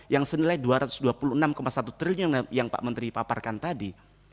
yang senilai rp dua ratus dua puluh enam satu triliun yang pak menteri paparkan tadi